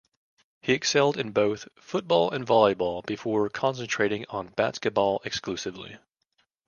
He excelled in both football and volleyball before concentrating on basketball exclusively.